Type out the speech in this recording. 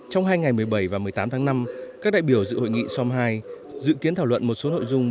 trong hai ngày một mươi bảy và một mươi tám tháng năm các đại biểu dự hội nghị som hai dự kiến thảo luận một số nội dung